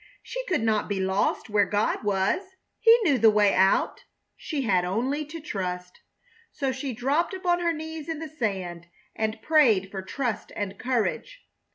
She could not be lost where God was. He knew the way out. She had only to trust. So she dropped upon her knees in the sand and prayed for trust and courage.